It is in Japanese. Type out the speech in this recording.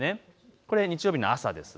これ日曜日の朝です。